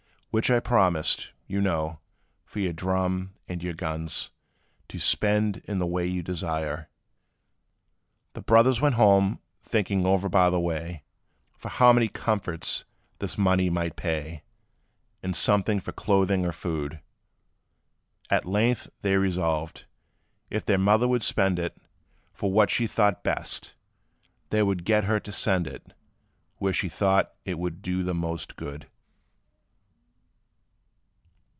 Which I promised, you know, for your drum and your guns, To spend in the way you desire." The brothers went home, thinking o'er by the way, For how many comforts this money might pay, In something for clothing or food: At length they resolved, if their mother would spend it For what she thought best, they would get her to send it Where she thought it would do the most good.